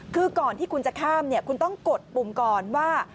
คือก่อนที่คุณจะข้ามคุณต้องกดปุ่มก่อนว่า